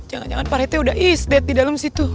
jangan jangan parete udah is dead di dalam situ